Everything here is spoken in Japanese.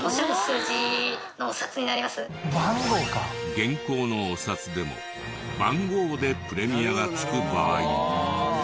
現行のお札でも番号でプレミアがつく場合も。